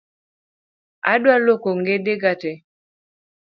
Adwa luoko ongede ga tee